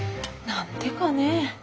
何でかね。